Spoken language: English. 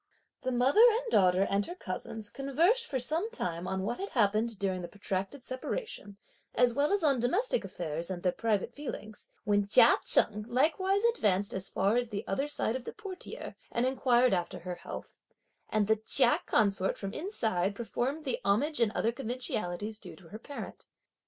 The mother and daughter and her cousins conversed for some time on what had happened during the protracted separation, as well as on domestic affairs and their private feelings, when Chia Cheng likewise advanced as far as the other side of the portiere, and inquired after her health, and the Chia consort from inside performed the homage and other conventionalities (due to her parent).